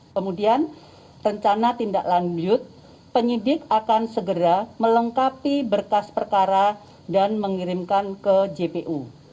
kemudian rencana tindak lanjut penyidik akan segera melengkapi berkas perkara dan mengirimkan ke jpu